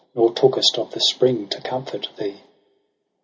Nor tookest of the spring to comfort thee.